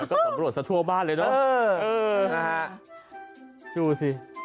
ก็สำรวจซะทั่วบ้านเลยเนอะเออนะฮะดูสิ